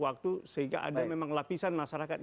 waktu sehingga ada memang lapisan masyarakat